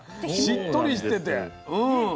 しっとりしてて。